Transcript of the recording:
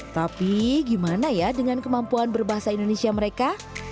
tapi gimana ya dengan kemampuan berbahasa indonesia mereka